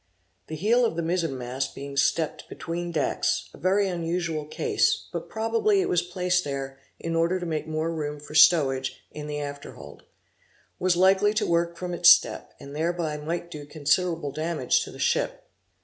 The heel of the mizen mast being stepped between decks (a very unusual case, but probably it was placed there in order to make more room for stowage in the after hold) was likely to work from its step, and thereby might do considerable damage to the ship.